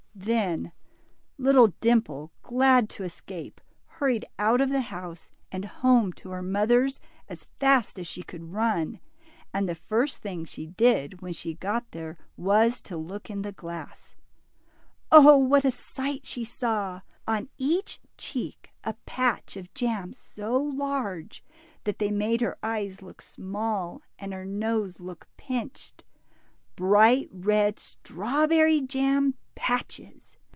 52 DIMPLE. Then little Dimple, glad to escape, hurried out of the house, and home to her mother's as fast as she could run, and the first thing she did when she got there was to look in the glass. 0, what a sight she saw ! On each cheek a patch of jam, so large that they made her eyes look small, and her nose look pinched. Bright red strawberry jam patches!